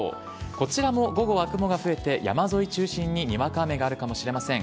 こちらも午後は雲が増えて山沿いを中心ににわか雨があるかもしれません。